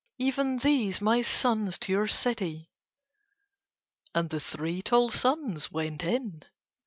"Even these my sons to your city." And the three tall sons went in.